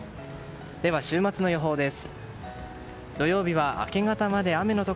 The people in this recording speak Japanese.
では、週末の予報です。